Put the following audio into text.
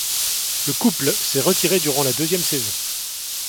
Le couple s'est retiré durant la deuxième saison.